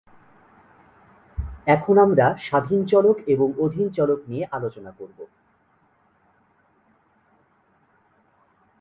এখন আমরা স্বাধীন চলক এবং অধীন চলক নিয়ে আলোচনা করব।